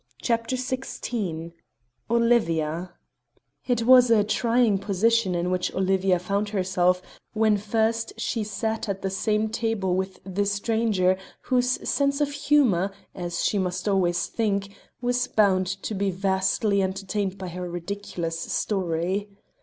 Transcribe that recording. CHAPTER XVI OLIVIA It was a trying position in which Olivia found herself when first she sat at the same table with the stranger whose sense of humour, as she must always think, was bound to be vastly entertained by her ridiculous story.